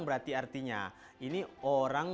berarti artinya ini orang